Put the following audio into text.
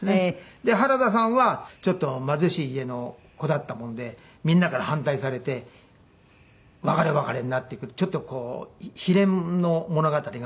で原田さんはちょっと貧しい家の子だったもんでみんなから反対されて別れ別れになっていくちょっと悲恋の物語が。